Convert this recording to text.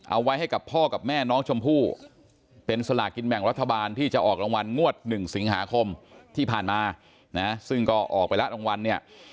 เอาไว้ให้กับพ่อกับแม่น้องชมพู่เป็นสลากินแบ่งรัฐบาลที่จะออกรางวัลงวด๑สิงหาคมที่ผ่านมานะซึ่งก็ออกไปแล้วรางวัลเนี่ย